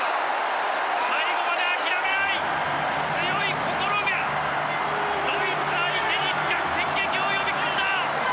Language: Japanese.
最後まで諦めない強い心がドイツ相手に逆転劇を呼び込んだ。